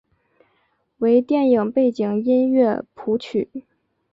为电影背景音乐谱曲。